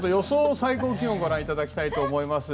最高気温をご覧いただきたいと思います。